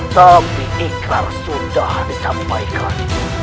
tapi ikrar sudah disampaikan